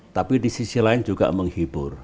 tapi di sisi lain juga menghibur